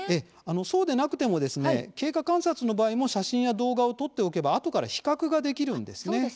そうでなくてもですね経過観察の場合も写真や動画を撮っておけばあとから比較ができるんですね。